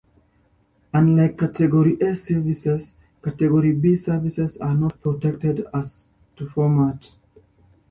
Unlike Category A services, Category B services are not protected as to format.